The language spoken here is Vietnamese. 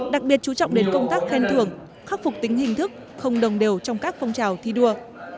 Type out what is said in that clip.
đặc biệt chú trọng đến công tác khen thưởng khắc phục tính hình thức không đồng đều trong các phong trào thi đua